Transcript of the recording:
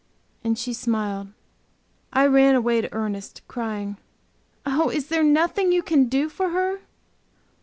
And she smiled. I ran away to Ernest, crying, "Oh, is there nothing you can do for her?"